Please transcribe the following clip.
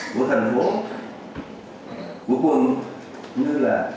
của thành phố của quận như là